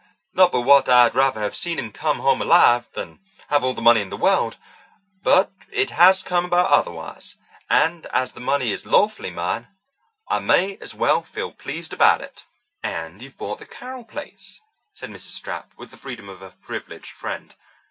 Not but what I'd rather have seen him come home alive than have all the money in the world, but it has come about otherwise, and as the money is lawfully mine, I may as well feel pleased about it." "And you've bought the Carroll place," said Mrs. Stapp, with the freedom of a privileged friend.